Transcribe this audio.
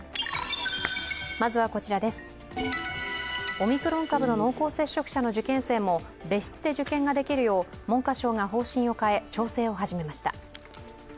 オミクロン株の濃厚接触者の受験生も別室で受験ができるよう文科省が方針を変え、調整を始めました。